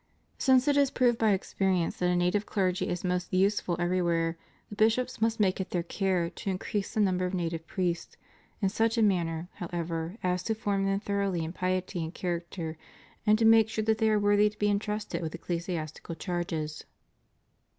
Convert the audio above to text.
Since it is proved by experience that a native clergy is most useful everywhere, the bishops must make it their care to increase the number of native priests, in such a manner, however, as to form them thoroughly in piety and character, and to make sure that they are worthy to be entrusted "wath ecclesiastical charges. 548 THE CHURCH IN THE PHILIPPINES.